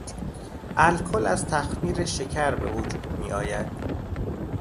الکل از تخمیر شکر به وجود میآید.